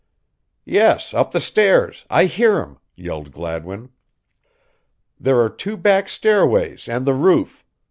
"Yes, up the stairs I hear him," yelled Gladwin. "There are two back stairways and the roof.